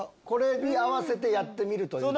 これに合わせてやってみる。